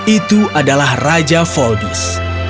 itu adalah raja voldis